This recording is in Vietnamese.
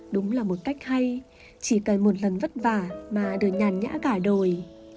đúng là một cách hay chỉ cần một lần vất vả mà được nhàn nhã cả đời